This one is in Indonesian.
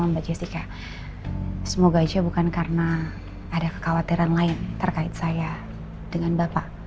bisa bukan karena ada kekhawatiran lain terkait saya dengan bapak